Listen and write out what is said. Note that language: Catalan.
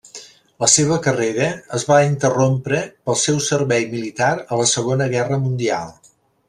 La seva carrera es va interrompre pel seu servei militar a la Segona guerra mundial.